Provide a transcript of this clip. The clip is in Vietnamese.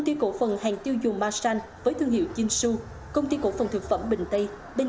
tiêu cổ phần hàng tiêu dùng masan với thương hiệu jinsu công ty cổ phần thực phẩm bình tây bên